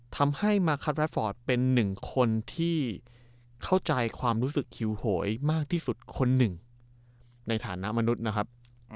ทำให้มาคัทแรดฟอร์ตเป็นหนึ่งคนที่เข้าใจความรู้สึกหิวโหยมากที่สุดคนหนึ่งในฐานะมนุษย์นะครับ